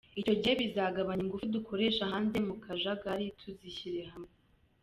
Icyo gihe bizagabanya ingufu dukoresha hanze mu kajagari tuzishyire hamwe.